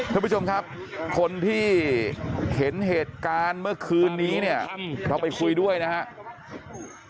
ท่านผู้ชมครับคนที่เห็นเหตุการณ์เมื่อคืนนี้เนี่ยเราไปคุยด้วยนะครับ